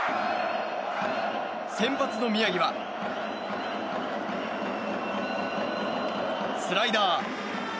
先発の宮城はスライダー。